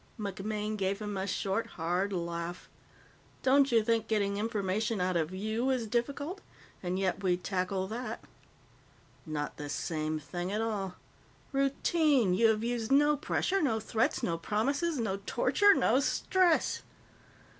MacMaine gave him a short, hard laugh. "Don't you think getting information out of _you__ is difficult? And yet, we tackle that." "Not the same thing at all. Routine. You have used no pressure. No threats, no promises, no torture, no stress."